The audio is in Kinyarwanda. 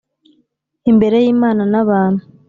Imbere y'Imana n'abantu